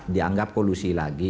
dianggap kolusi lagi